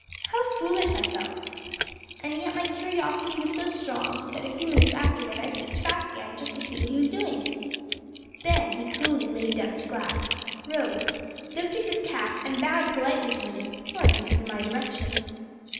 How foolish I felt! And yet my curiosity was so strong that a few minutes afterward I peeped back again, just to see what he was doing. Then he coolly laid down his glass, rose, lifted his cap and bowed politely to me or, at least, in my direction.